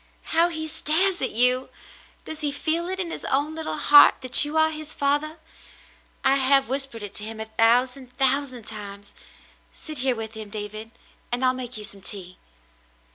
How he stares at you ! Does he feel it in his own little heart that you are his father ? I have whispered it to him a thousand, thousand times. Sit here with him, David, and I'll make you some tea."